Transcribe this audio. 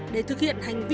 để thực hiện hành vi